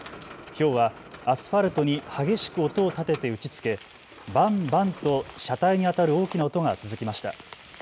ひょうはアスファルトに激しく音を立てて打ちつけバン、バンと車体に当たる大きな音が続きました。